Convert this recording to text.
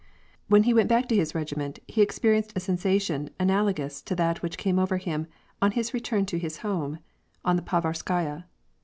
When he went back to his regiment he experienced a sensa tion analogous to that which came over him on his return to his home on the Pavarskaya.